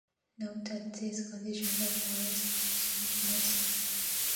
Note that these conditions are only sufficient, not necessary.